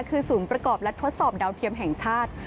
คือศูนย์ประกอบและทดสอบดาวเทียมแห่งชาติ